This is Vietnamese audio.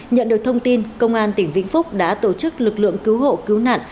nhận được thông tin công an tỉnh vĩnh phúc đã tổ chức lực lượng cứu hộ cứu nạn